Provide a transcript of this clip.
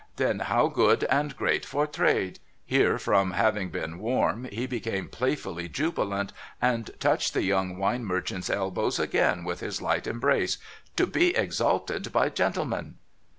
Then how good and great for trade :' here, from having been warm, he became playfully jubilant, and touched the young wine merchant's elbows again with his light embrace :' to be exalted by gentlemen.'